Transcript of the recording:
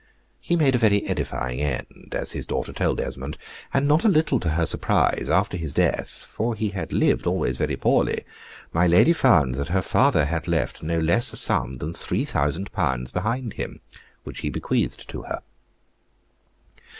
He made a very edifying end, as his daughter told Esmond, and not a little to her surprise, after his death (for he had lived always very poorly) my lady found that her father had left no less a sum than 3,000L. behind him, which he bequeathed to her.